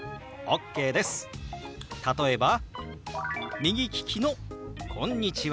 例えば右利きの「こんにちは」。